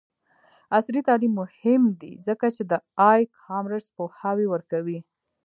عصري تعلیم مهم دی ځکه چې د ای کامرس پوهاوی ورکوي.